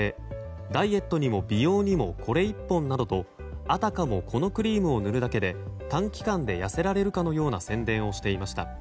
ダイエットにも美容にもこれ１本などとあたかもこのクリームを塗るだけで短期間で痩せられるかのような宣伝をしていました。